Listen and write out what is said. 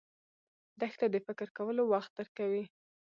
دښته د فکر کولو وخت درکوي.